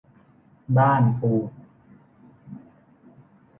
บ้านปู